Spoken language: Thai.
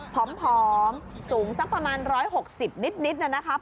ผอมสูงสักประมาณ๑๖๐นิดนะครับ